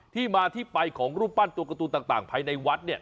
ที่มาที่ไปของรูปปั้นตัวการ์ตูนต่างภายในวัดเนี่ย